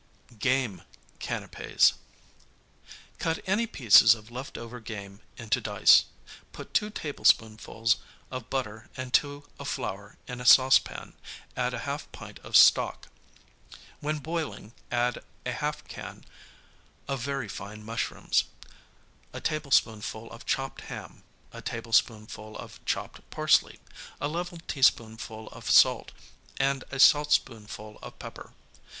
Game Canapķs Cut any pieces of left over game into dice. Put two tablespoonfuls of butter and two of flour in a saucepan, add a half pint of stock. When boiling add a half can of very fine mushrooms, a tablespoonful of chopped ham, a tablespoonful of chopped parsley, a level teaspoonful of salt and a saltspoonful of pepper.